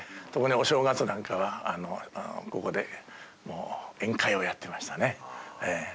お正月なんかはここで宴会をやってましたね。